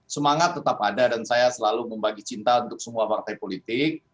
semangat tetap ada dan saya selalu membagi cinta untuk semua partai politik